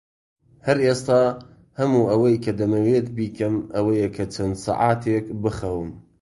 هەر ئێستا، هەموو ئەوەی کە دەمەوێت بیکەم ئەوەیە کە چەند سەعاتێک بخەوم.